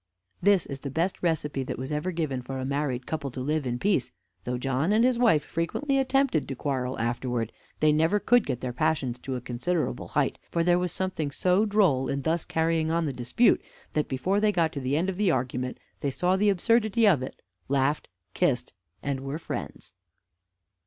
This is the best recipe that was ever given for a married couple to live in peace. Though John and his wife frequently attempted to quarrel afterwards, they never could get their passions to a considerable height; for there was something so droll in thus carrying on the dispute, that, before they got to the end of the argument, they saw the absurdity of it, laughed, kissed, and were friends.